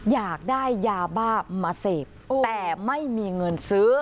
อยากได้ยาบ้ามาเสพแต่ไม่มีเงินซื้อ